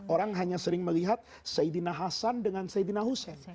orang hanya sering melihat saidina hassan dengan saidina hussein